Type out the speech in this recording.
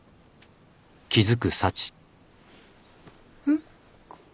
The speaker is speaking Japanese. ん？